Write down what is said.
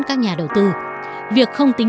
các nhà đầu tư việc không tính